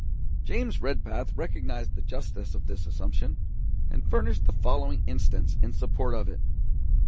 James Redpath recognised the justice of this assumption, and furnished the following instance in support of it.